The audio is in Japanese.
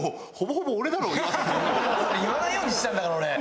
それ言わないようにしてたんだから俺。